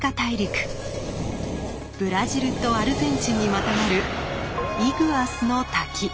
ブラジルとアルゼンチンにまたがるイグアスの滝。